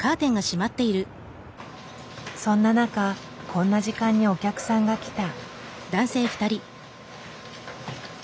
そんな中こんな時間にお客さんが来た。